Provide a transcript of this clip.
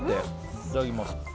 いただきます。